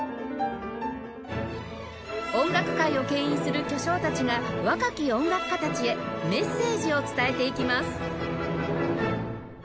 音楽界を牽引する巨匠たちが若き音楽家たちへメッセージを伝えていきます